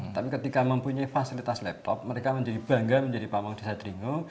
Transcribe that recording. tapi ketika mempunyai fasilitas laptop mereka menjadi bangga menjadi pawang desa dringo